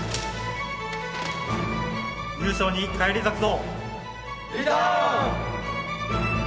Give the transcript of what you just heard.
優勝に返り咲くぞ！